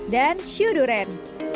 dan syu durian